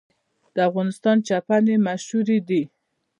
د افغانستان چپنې مشهورې دي